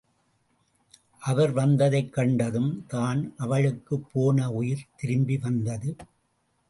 அவர் வந்ததைக் கண்டதும் தான் அவளுக்குப் போன உயிர் திரும்பி வந்தது.